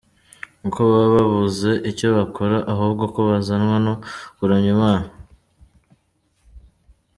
uko baba babuze icyo bakora ahubwo ko bazanwa no kuramya Imana.